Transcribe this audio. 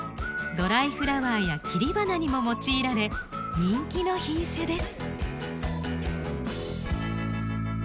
ドライフラワーや切り花にも用いられ人気の品種です。